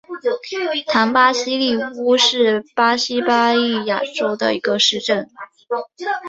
唐巴西利乌是巴西巴伊亚州的一个市镇。